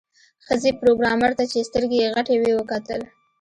ښځې پروګرامر ته چې سترګې یې غټې وې وکتل